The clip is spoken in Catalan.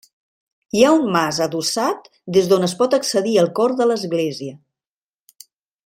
Hi ha un mas adossat des d'on es pot accedir al cor de l'església.